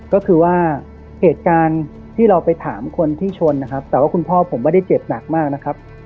ก็คือว่าเหตุการณ์ที่เราไปถามคนที่ชนนะครับแต่ว่าคุณพ่อผมไม่ได้เจ็บหนักมากนะครับ